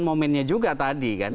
momennya juga tadi kan